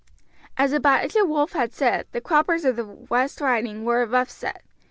As Abijah Wolf had said, the croppers of the West Riding were a rough set.